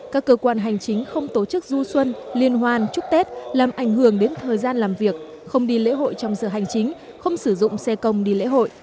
các cơ quan hành chính không tổ chức du xuân liên hoan chúc tết làm ảnh hưởng đến thời gian làm việc không đi lễ hội trong giờ hành chính không sử dụng xe công đi lễ hội